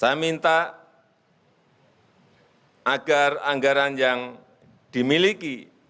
saya minta agar anggaran yang dimiliki